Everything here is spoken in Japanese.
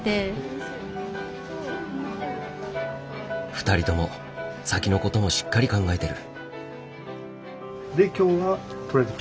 ２人とも先のこともしっかり考えてる。